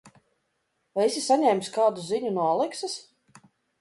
Vai esi saņēmis kādu ziņu no Aleksas?